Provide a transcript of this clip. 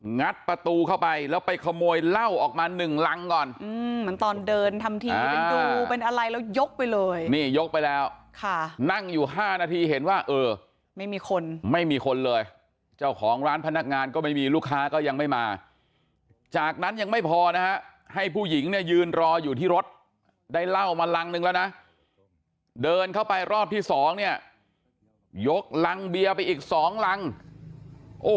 งัดประตูเข้าไปแล้วไปขโมยเหล้าออกมาหนึ่งรังก่อนเหมือนตอนเดินทำทีเป็นดูเป็นอะไรแล้วยกไปเลยนี่ยกไปแล้วค่ะนั่งอยู่ห้านาทีเห็นว่าเออไม่มีคนไม่มีคนเลยเจ้าของร้านพนักงานก็ไม่มีลูกค้าก็ยังไม่มาจากนั้นยังไม่พอนะฮะให้ผู้หญิงเนี่ยยืนรออยู่ที่รถได้เหล้ามารังนึงแล้วนะเดินเข้าไปรอบที่สองเนี่ยยกรังเบียร์ไปอีกสองรังโอ้